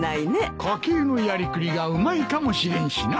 家計のやりくりがうまいかもしれんしな。